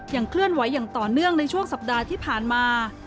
เคลื่อนไหวอย่างต่อเนื่องในช่วงสัปดาห์ที่ผ่านมา